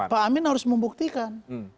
pak amin harus membuktikan